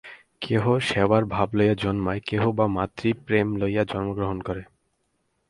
কেহ সেবার ভাব লইয়া জন্মায়, কেহ বা মাতৃ-প্রেম লইয়া জন্মগ্রহণ করে।